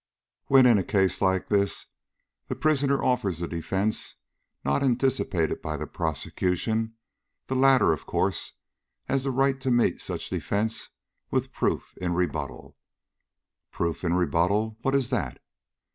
"When in a case like this the prisoner offers a defence not anticipated by the prosecution, the latter, of course, has the right to meet such defence with proof in rebuttal." "Proof in rebuttal? What is that?"